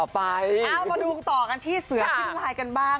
เอามาดูต่อกันที่เสือทิ้มลายกันบ้าง